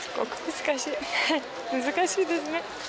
難しいですね。